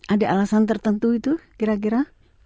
ada alasan tertentu itu kira kira